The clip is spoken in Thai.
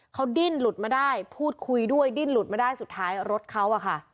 เขาดิ้นหลุดมาได้พูดคุยด้วยดิ้นหลุดมาได้สุดท้ายรถเขาอะค่ะ